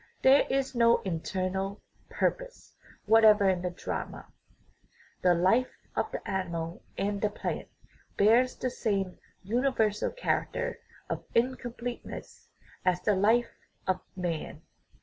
There is no internal "purpose" whatever in the drama. The life of the animal and the plant bears the same universal character of incompleteness as the life of man.